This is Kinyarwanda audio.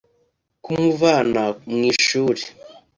kumuvana mu ishuri